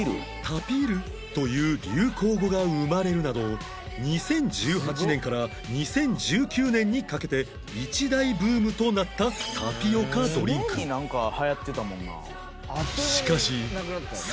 「タピる」という流行語が生まれるなど２０１８年から２０１９年にかけて一大ブームとなった「すごいなんか流行ってたもんな」